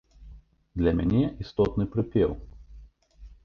Для мяне істотны прыпеў.